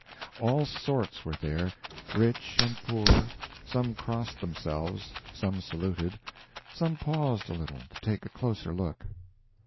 All sorts were there, rich and poor; some crossed themselves, some saluted, some paused a little to take a closer look.